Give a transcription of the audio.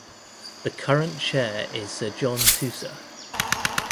The current Chair is Sir John Tusa.